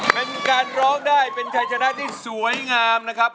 เป็นการร้องได้เป็นชัยชนะที่สวยงามนะครับ